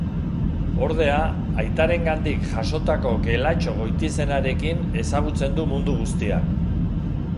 Ordea, aitarengandik jasotako Gelatxo goitizenarekin ezagutzen du mundu guztiak.